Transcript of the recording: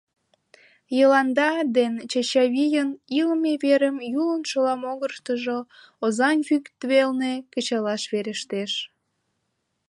Йыланда ден Чачавийын илыме верым Юлын шола могырыштыжо, Озаҥ вӱд велне, кычалаш верештеш.